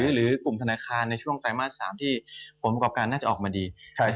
หรือกลุ่มธนาคารในช่วงไตรมาส๓ที่ผลประกอบการน่าจะออกมาดี